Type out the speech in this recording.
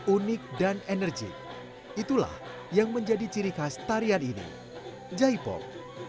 unik dan energi itulah yang menjadi ciri khas tarian ini jahe pop